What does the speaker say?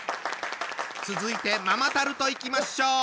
続いてママタルトいきましょう。